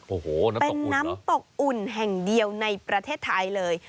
โอ้โหน้ำตกอุ่นเหรอเป็นน้ำตกอุ่นแห่งเดียวในประเทศไทยเลย